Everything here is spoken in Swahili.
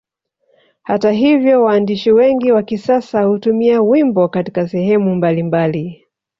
Hata hivyo waandishi wengi wa kisasa hutumia wimbo Katika sehemu mbalimbali